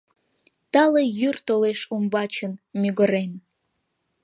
Тале йӱр толеш умбачын, Мӱгырен.